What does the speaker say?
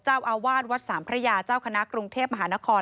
เจ้าอาวาสวัดสามพระยาเจ้าคณะกรุงเทพมหานคร